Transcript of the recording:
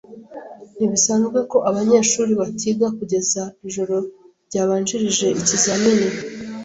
Ntibisanzwe ko abanyeshuri batiga kugeza ijoro ryabanjirije ikizamini.